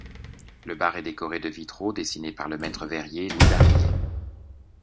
Le bar est décoré de vitraux dessinés par le maître-verrier Louis Barillet.